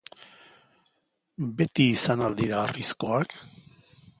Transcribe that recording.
Beti izan al dira harrizkoak?